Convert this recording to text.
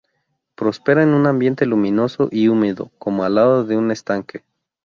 Prospera en un ambiente luminoso y húmedo, como al lado de un estanque.